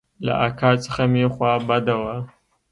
له اکا څخه مې خوا بده وه.